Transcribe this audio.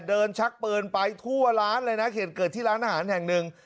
ชักปืนไปทั่วร้านเลยนะเหตุเกิดที่ร้านอาหารแห่งหนึ่ง